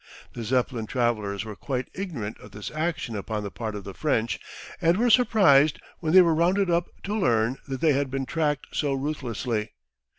The Zeppelin travellers were quite ignorant of this action upon the part of the French and were surprised when they were rounded up to learn that they had been tracked so ruthlessly.